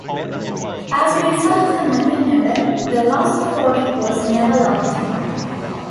As a result of the mapping error, the Lost Forty was never logged.